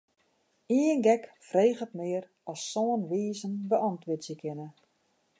Ien gek freget mear as sân wizen beäntwurdzje kinne.